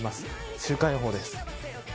週間予報です。